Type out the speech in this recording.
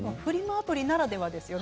アプリならではですね。